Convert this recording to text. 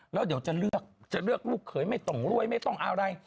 แล้วเดี๋ยวจะเลือกจะเลือกลูกเขยไม่ตรงรวยไม่ต้องอะไร